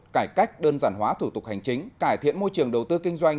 cải cách đơn giản hóa thủ tục hành chính cải thiện môi trường đầu tư kinh doanh